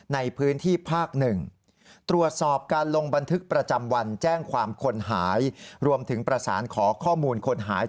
ในพื้นที่ภาค๑ตรวจสอบการลงบันทึกประจำวันแจ้งความคนหายรวมถึงประสานขอข้อมูลคนหาย